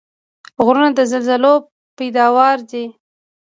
غرونه د زلزلو پیداوار دي.